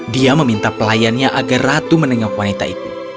dia meminta pelayannya agar ratu menengah wanita itu